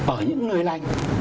ở những người lành